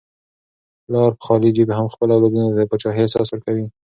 پلار په خالي جیب هم خپلو اولادونو ته د پاچاهۍ احساس ورکوي.